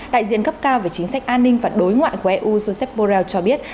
đại diện cấp cao về chính sách an ninh và đối ngoại của eu joseph borrell cho biết